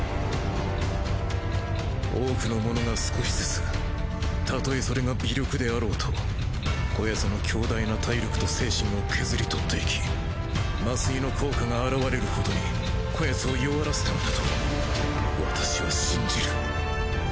多くの者が少しずつ例えそれが微力であろうとこやつの強大な体力と精神を削り取っていき麻酔の効果が表れる程にこやつを弱らせたのだと私は信じる！